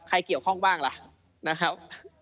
ใครเกี่ยวข้องบ้างล่ะนะครับ